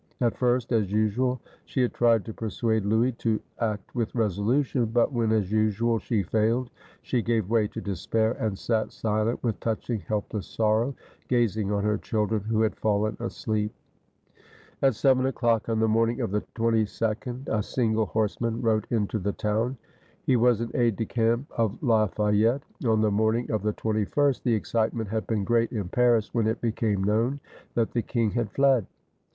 At first, as usual, she had tried to persuade Louis to act with resolution; but when, as usual, she failed, she gave way to despair, and sat silent, with touching helpless sorrow, gazing on her children, who had fallen asleep. At seven o'clock on the morning of the 2 2d, a single horseman rode into the town. He was an aide de camp 302 THE FLIGHT OF LOUIS XVI of Lafayette. On the morning of the 21st the excite ment had been great in Paris when it became known that the king had fled.